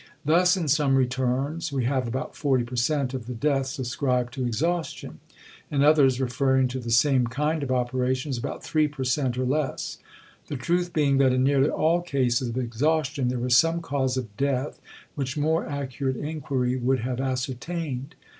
Thus in some returns we have about 40 per cent of the deaths ascribed to 'exhaustion,' in others, referring to the same [kind of] operations, about 3 per cent or less; the truth being that in nearly all cases of 'exhaustion' there was some cause of death which more accurate inquiry would have ascertained."